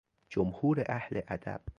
جمهور اهل ادب